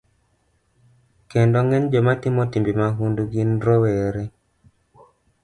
Kendo ng'eny joma timo timbe mahundu gin rowere.